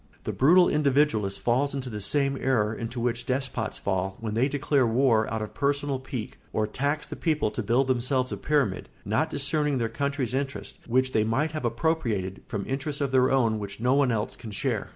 The brutal individualist falls into the same error into which despots fall when they declare war out of personal pique or tax the people to build themselves a pyramid, not discerning their country's interests, which they might have appropriated, from interests of their own which no one else can share.